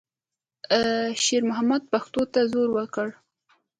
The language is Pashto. شېرمحمد پښو ته زور ورکړ.